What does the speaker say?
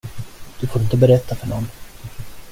Du får inte berätta för någon.